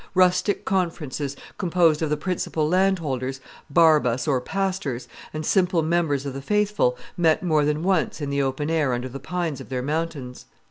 Rustic conferences, composed of the principal landholders, barbas or pastors, and simple members of the faithful, met more than once in the open air under the pines of their mountains.